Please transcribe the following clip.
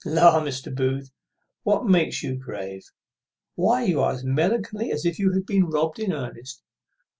La! Mr. Booth, what makes you grave? why, you are as melancholy as if you had been robbed in earnest.